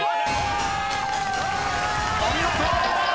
［お見事！］